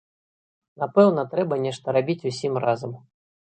Напэўна, трэба нешта рабіць усім разам.